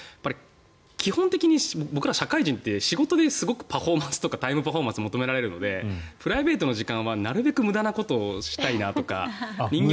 基本的に僕ら社会人って仕事ですごくパフォーマンスとかタイムパフォーマンスを求められるのでプライベートの時間はなるべく無駄なことをしたいなとか。